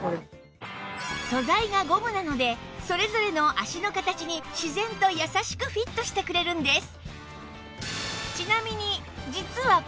素材がゴムなのでそれぞれの足の形に自然と優しくフィットしてくれるんです